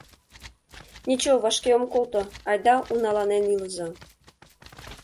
Ничо, вашке ом колто, айда уналанен илыза.